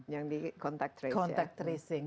yang di contact tracing